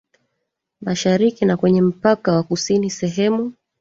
mashariki na kwenye mpaka wa kusini Sehemu